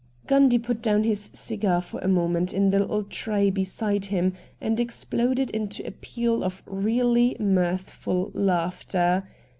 ' Gundy put down his cigar for a moment in the little tray beside him and exploded into a peal of really mirthful laughter.